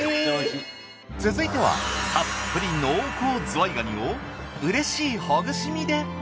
続いてはたっぷり濃厚ずわい蟹をうれしいほぐし身で。